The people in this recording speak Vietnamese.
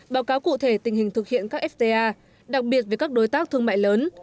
báo cáo cụ thể tình hình thực hiện các fta đặc biệt với các đối tác thương mại lớn